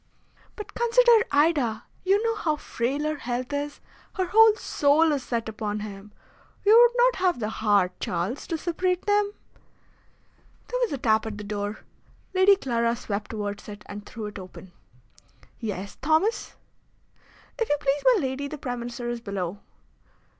"But consider Ida! You know how frail her health is. Her whole soul is set upon him. You would not have the heart, Charles, to separate them?" There was a tap at the door. Lady Clara swept towards it and threw it open. "Yes, Thomas?" "If you please, my lady, the Prime Minister is below."